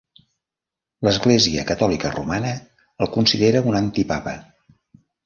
L'Església Catòlica Romana el considera un antipapa.